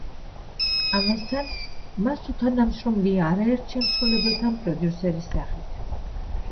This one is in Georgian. ამასთან, მას უთანამშრომლია არაერთ შემსრულებელთან პროდიუსერის სახით.